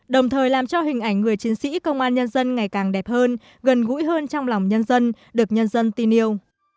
đồng thời làm cho hình ảnh người chiến sĩ công an nhân dân ngày càng đẹp hơn gần gũi hơn trong lòng nhân dân được nhân dân tin yêu